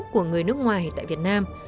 của người nước ngoài tại việt nam